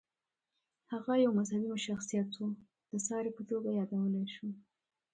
هغه یو مذهبي شخصیت و، د ساري په توګه یادولی شو.